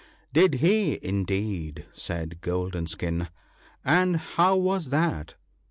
"' Did he, indeed,' said Golden skin ;' and how was that ?